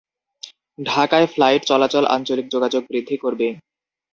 ঢাকায় ফ্লাইট চলাচল আঞ্চলিক যোগাযোগ বৃদ্ধি করবে।